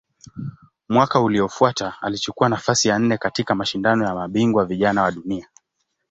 Mwaka uliofuata alichukua nafasi ya nne katika Mashindano ya Mabingwa Vijana wa Dunia.